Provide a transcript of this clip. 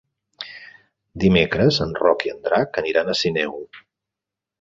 Dimecres en Roc i en Drac aniran a Sineu.